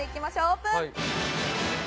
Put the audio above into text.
オープン！